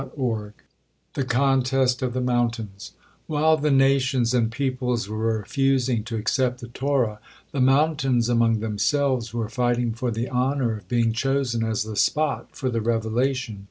THE CONTEST OF THE MOUNTAINS While the nations and peoples were refusing to accept the Torah, the mountains among themselves were fighting for the honor of being chosen as the spot for the revelation.